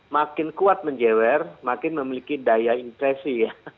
makin kuat menjewer makin memiliki daya impresi